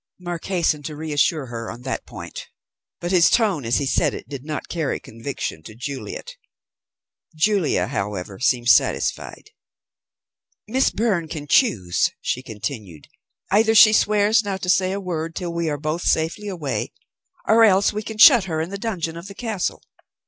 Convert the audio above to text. Mark hastened to reassure her on that point, but his tone as he said it did not carry conviction to Juliet. Julia, however, seemed satisfied. "Miss Byrne can choose," she continued. "Either she swears not to say a word till we are both safe away, or else we can shut her in the dungeon of the castle.